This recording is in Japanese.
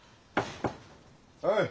はい。